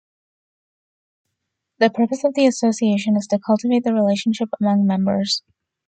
The purpose of the association is to cultivate the relationship among members.